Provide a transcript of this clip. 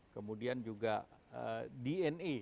kemudian juga dna